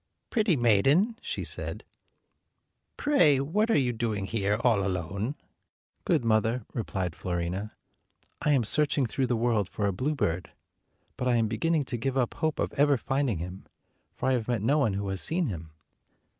"Pretty maiden," she said, "pray what are you doing here, all alone?" "Good mother," replied Fiorina, "I am searching through the world for a bluebird ; but I am beginning to give up hope of ever finding him, for I have met no one who has seen him."